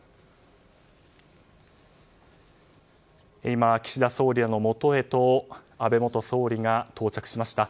今、岸田総理らのもとへと安倍元総理が到着しました。